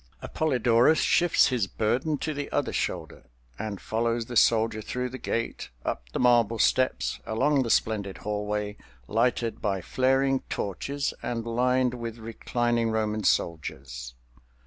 Appolidorus shifts his burden to the other shoulder, and follows the soldier through the gate, up the marble steps, along the splendid hallway, lighted by flaring torches and lined with reclining Roman soldiers.